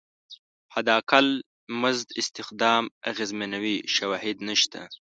حداقل مزد استخدام اغېزمنوي شواهد نشته.